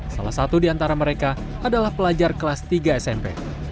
salah satu di antara mereka adalah pelajar kelas tiga smp